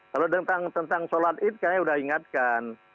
kalau tentang sholat id saya sudah ingatkan